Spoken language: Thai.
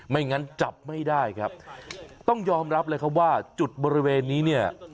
งั้นจับไม่ได้ครับต้องยอมรับเลยครับว่าจุดบริเวณนี้เนี่ย